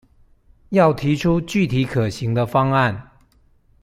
要提出具體可行的方案